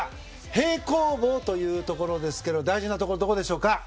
平行棒というところですが大事なところはどこでしょうか。